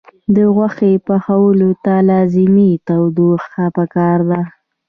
د غوښې پخولو ته لازمي تودوخه پکار ده.